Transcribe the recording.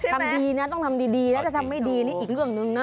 ทำดีนะต้องทำดีนะถ้าทำไม่ดีนี่อีกเรื่องหนึ่งนะ